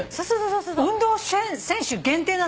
運動選手限定なの？